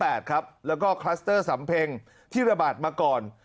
แล้วก็คลัสเตอร์สำเพ็งที่ระบาดมาก่อน